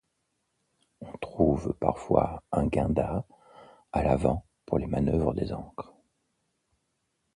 On trouve parfois un guinda à l'avant pour les manœuvres des ancres.